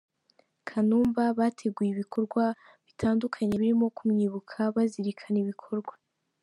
Kanumba, bateguye ibikorwa bitandukanye birimo kumwibuka, bazirikana ibikorwa.